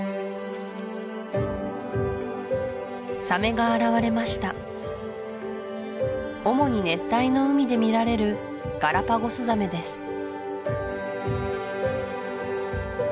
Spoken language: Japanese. サメが現れました主に熱帯の海で見られるガラパゴスザメです